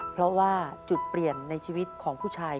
เพราะว่าจุดเปลี่ยนในชีวิตของผู้ชาย